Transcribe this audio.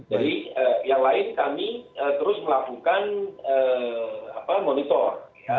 jadi yang lain kami terus melakukan monitor